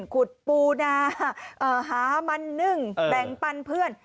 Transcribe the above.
ขุดปูนาหามันนึ่งแบ่งปันเพื่อน